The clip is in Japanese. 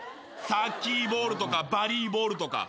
サッキーボールとかバリーボールとか。